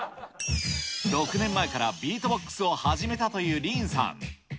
６年前からビートボックスを始めたというリンさん。